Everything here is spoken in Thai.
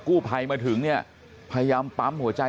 กู้ภัยมาถึงเนี่ยพยายามปั๊มหัวใจ